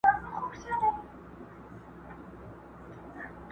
اوس هغه خلک هم لوڅي پښې روان دي.!